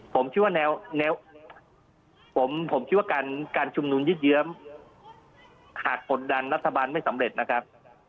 ผมคิดว่าการชุมนุนยืดเยื้มหากผลดันรัฐบาลไม่สำเร็จนะครับ